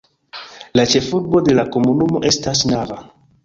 La ĉefurbo de la komunumo estas Nava.